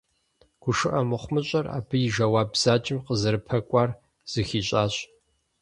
ГушыӀэ мыхъумыщӀэр, абы и жэуап бзаджэм къызэрыпэкӀуар зыхищӀащ.